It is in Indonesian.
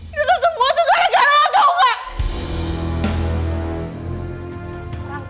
ini semua tuh gara gara lo tau gak